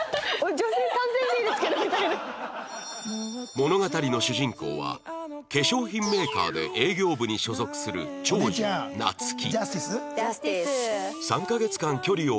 物語の主人公は化粧品メーカーで営業部に所属する長女夏希